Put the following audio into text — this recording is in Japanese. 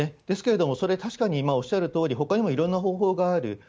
ですけれども、それ、確かに今おっしゃるとおり、ほかにもいろんな方法がある。